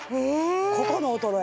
ここの衰え？